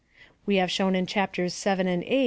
We have shown in Chapters VII. and VIII.